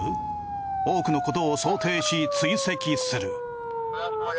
多くのことを想定し追跡する。